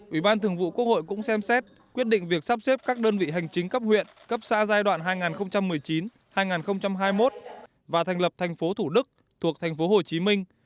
ủy ban thường vụ quốc hội cũng xem xét quyết định việc sắp xếp các đơn vị hành chính cấp huyện cấp xã giai đoạn hai nghìn một mươi chín hai nghìn hai mươi một và thành lập thành phố thủ đức thuộc thành phố hồ chí minh